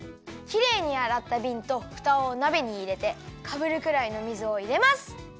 きれいにあらったびんとふたをなべにいれてかぶるくらいの水をいれます。